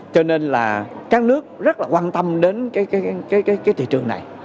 cho nên là các nước rất là quan tâm đến cái thị trường này